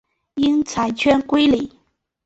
因裁缺归里。